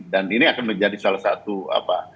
dan ini akan menjadi salah satu apa